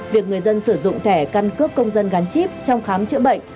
việc người dân sử dụng thẻ căn cước công dân gắn chip trong khám chữa bệnh